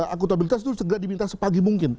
akutabilitas itu segera diminta sepagi mungkin